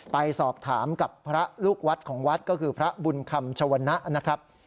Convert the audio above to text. ไปสอบถามกับพระลูกวัดของวัดก็คือพระบุญคำชวนะนะครับ